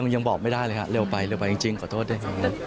ยังบอกไม่ได้เลยครับเร็วไปเร็วไปจริงขอโทษด้วยครับ